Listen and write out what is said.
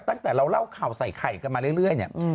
ตั้งแต่เราเล่าข่าวใส่ไข่กันมาเรื่อยเนี่ย